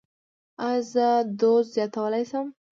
ایا زه دوز زیاتولی شم؟